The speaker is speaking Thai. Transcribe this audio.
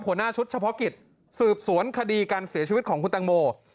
หัวหน้าชุดเฉพาะกิจสืบสวนคดีการเสียชีวิตของคุณตังโม